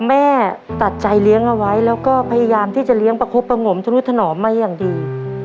แม่ตัดใจเลี้ยงเอาไว้แล้วก็พยายามที่จะเลี้ยงประคบประงมธนุถนอมมาอย่างดี